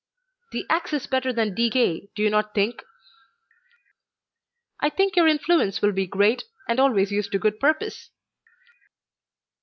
"The axe is better than decay, do you not think?" "I think your influence will be great and always used to good purpose."